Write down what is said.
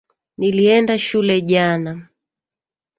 Nilienda shule jana.